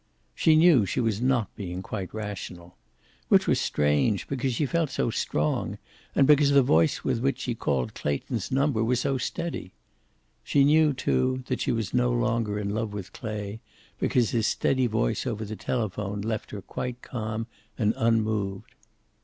She knew she was not being quite rational. Which was strange, because she felt so strong, and because the voice with which she called Clayton's number was so steady. She knew, too, that she was no longer in love with Clay, because his steady voice over the telephone left her quite calm and unmoved.